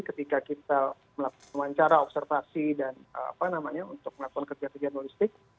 ketika kita melakukan wawancara observasi dan apa namanya untuk melakukan kerja kerja logistik